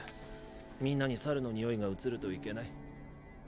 みんなに猿の臭いがうつるといけない。